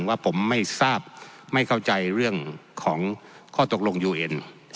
ว่าผมไม่ทราบไม่เข้าใจเรื่องของข้อตกลงยูเอ็น